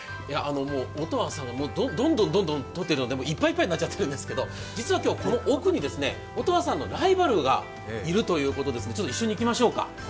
音羽さん、どんどん取っているのでいっぱいいっぱいになっちゃっているんですけど実は今日、この奥に音羽さんのライバルがいるということですので、一緒に行きましょうか。